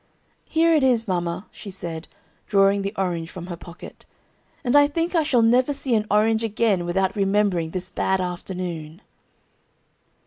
"Here it is, mama," she said, drawing the orange from her pocket, "and I think I shall never see an orange again without remembering this bad afternoon."